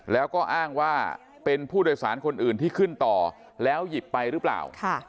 แล้วก็อ้างว่าเป็นผู้โดยสารคนอื่นที่ขึ้นต่อแล้วหยิบไปหรือเปล่า